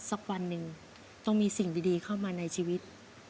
สักวันหนึ่งต้องมีสิ่งดีเข้ามาในชีวิต